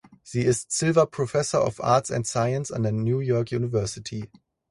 Sie ist "Silver Professor of Arts and Science" an der New York University.